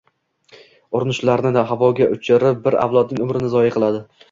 urinishlarni havoga uchirib, bir avlodning umrini zoye qiladi.